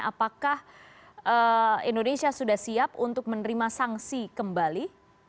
apakah indonesia sudah siap untuk menerima sanksi kembali